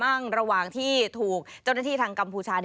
ระหว่างที่ถูกเจ้าหน้าที่ทางกัมพูชา